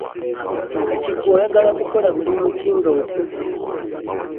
Kati gwe oyagala kukola mulimu ki nga okuze?